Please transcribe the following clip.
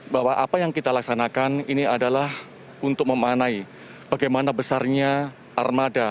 bahwa apa yang kita laksanakan ini adalah untuk memanai bagaimana besarnya armada